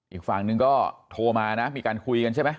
อีกฝั่งนึงก็โทรมานะมีการคุยกันใช่ไหม